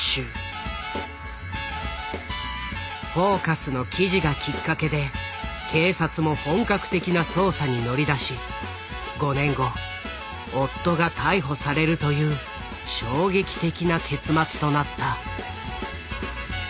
「フォーカス」の記事がきっかけで警察も本格的な捜査に乗り出し５年後夫が逮捕されるという衝撃的な結末となった。